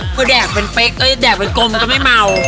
คือแดกเป็นกลมก็ไม่เมา